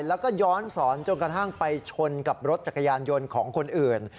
แล้วก็ย้อนสอนจนกระทั่งไปชนกับรถจักรยานยนต์ของคนอื่น